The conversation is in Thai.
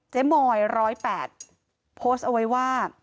มอย๑๐๘โพสต์เอาไว้ว่า